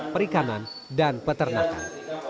perikanan dan peternakan